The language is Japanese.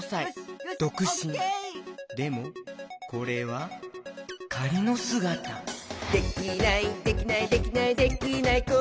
でもこれはかりのすがた「できないできないできないできない子いないか」